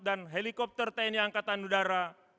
dan helikopter tni angkatan udara